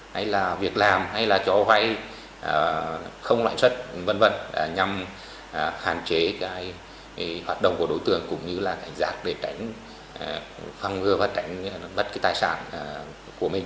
hay là việc làm hay là cho hoại không loại xuất v v nhằm hàn chế hoạt động của đối tượng cũng như là cảnh giác để tránh phong ngừa và tránh bất kỳ tài sản của mình